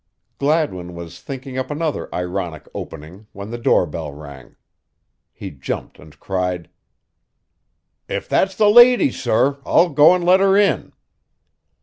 Gladwin was thinking up another ironic opening when the door bell rang. He jumped and cried: "If that's the lady, sorr, I'll go and let her in."